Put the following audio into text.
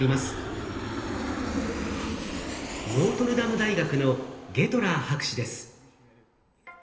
ノートルダム大学のゲトラー博士です。